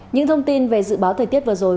những thông tin về dự báo thời tiết vừa rồi